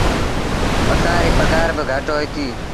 اسآݩ ريٚ پگھآر با گھٽ هوئيتيٚ۔